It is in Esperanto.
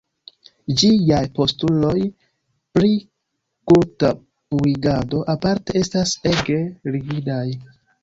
Ĝiaj postuloj pri kulta purigado, aparte, estas ege rigidaj.